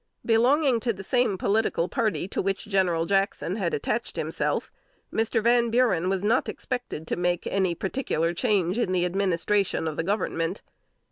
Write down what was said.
Belonging to the same political party to which General Jackson had attached himself, Mr. Van Buren was not expected to make any particular change in the administration of the Government.